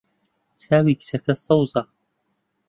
چاوی کچەکە سەوزە.